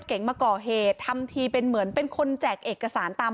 เข็มเก่งมาเก่าฮเท้นทีเป็นเหมือนเป็นคนแจกเอกสารตาม